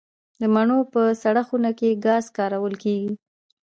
د مڼو په سړه خونه کې ګاز کارول کیږي؟